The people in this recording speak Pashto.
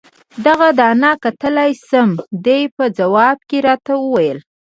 دغه دانه کتلای شم؟ دې په ځواب کې راته وویل.